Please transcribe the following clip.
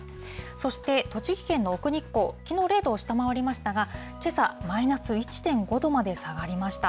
そして栃木県の奥日光、きのう０度を下回りましたが、けさ、マイナス１．５度まで下がりました。